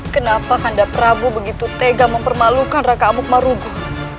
kenapa karena prabu begitu tega mempermalukan raka amuk maruguh